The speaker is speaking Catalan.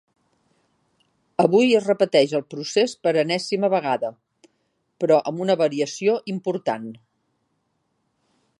Avui es repeteix el procés per enèsima vegada, però amb una variació important.